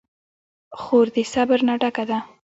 خور د صبر نه ډکه ده.